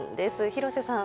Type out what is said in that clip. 廣瀬さん。